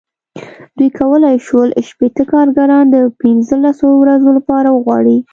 دوی کولای شول شپېته کارګران د پنځلسو ورځو لپاره وغواړي.